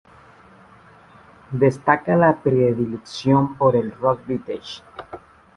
Destaca la predilección por el "rock vintage".